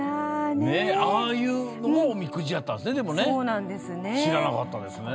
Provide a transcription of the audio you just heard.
ああいうのもおみくじやったんですね。